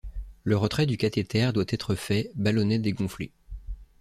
Le retrait du cathéter doit être fait, ballonnet dégonflé.